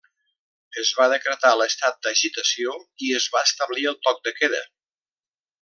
Es va decretar l'estat d'agitació i es va establir el toc de queda.